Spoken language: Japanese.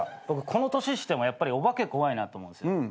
僕この年してもやっぱりお化け怖いなと思うんすよ。